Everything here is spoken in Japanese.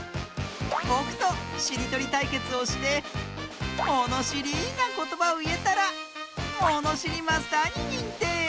ぼくとしりとりたいけつをしてものしりなことばをいえたらものしりマスターににんてい！